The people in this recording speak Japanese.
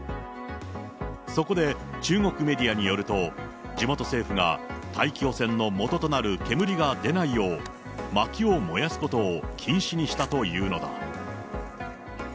そこで中国メディアによると、地元政府が、大気汚染のもととなる煙が出ないよう、まきを燃やすことを禁止にしたというのだ。